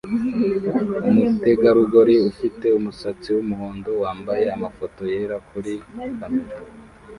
Umutegarugori ufite umusatsi wumuhondo wambaye amafoto yera kuri kamera